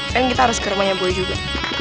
kan kita harus ke rumahnya boleh juga